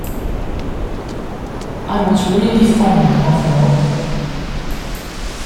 I was really fond of Rob.